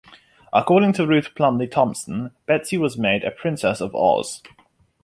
According to Ruth Plumly Thompson, Betsy was made a Princess of Oz.